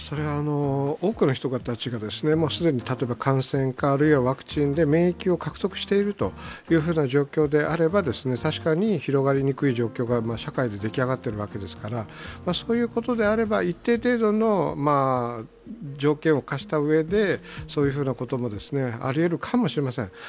多くの人たちが既に感染かあるいはワクチンで免疫を獲得しているという状況であれば、確かに広がりにくい状況が社会で出来上がってるわけですからそういうことであれば一定程度の条件を課したうえでそういうふうなこともありうるかもしれません。